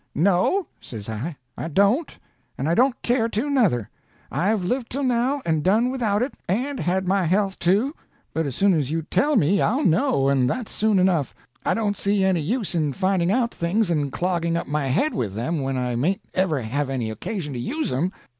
"No," says I, "I don't. And I don't care to, nuther. I've lived till now and done without it, and had my health, too. But as soon as you tell me, I'll know, and that's soon enough. I don't see any use in finding out things and clogging up my head with them when I mayn't ever have any occasion to use 'em.